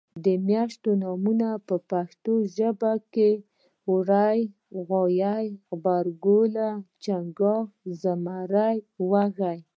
د میاشتو نومونه په پښتو کې وری غویي غبرګولی چنګاښ زمری وږی